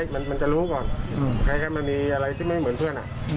มันจะรู้ก่อนคล้ายมันมีอะไรที่ไม่เหมือนเพื่อน